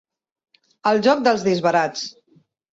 El joc dels disbarats.